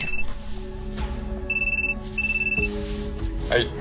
はい。